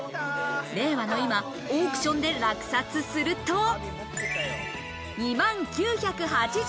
令和の今、オークションで落札すると、２万９８０円。